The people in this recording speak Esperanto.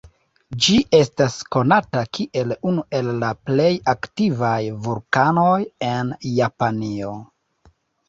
Ĝi estas konata kiel unu el la plej aktivaj vulkanoj en Japanio.